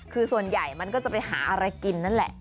คือส่วนใหญ่มันก็จะไปหาอะไรกินนั่นแหละ